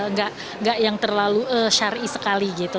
nggak yang terlalu syari sekali gitu